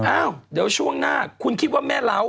อ้าวเดี๋ยวช่วงหน้าคุณคิดว่าแม่เล้า